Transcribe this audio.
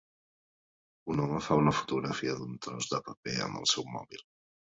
Un home fa una fotografia d'un tros de paper amb el seu mòbil.